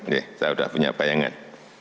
saya sudah punya bayangan